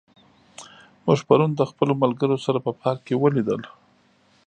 موږ پرون د خپلو ملګرو سره په پارک کې ولیدل.